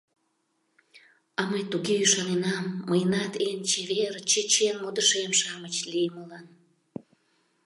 А мый туге ӱшаненам мыйынат эн чевер, чечен модышем-шамыч лиймылан!